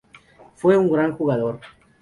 Fue un gran jugador.